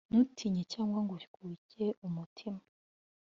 ntutinye cyangwa ngo ukuke umutima.